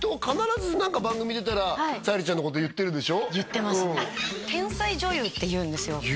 必ず何か番組出たら沙莉ちゃんのこと言ってるでしょ言ってますね「天才女優」って言うんですよ